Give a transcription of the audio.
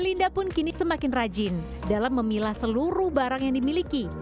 linda pun kini semakin rajin dalam memilah seluruh barang yang dimiliki